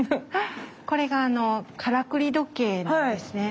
これがからくり時計なんですね。